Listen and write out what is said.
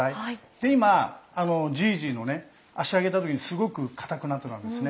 で今じいじのね脚上げた時にすごく硬くなってたんですね。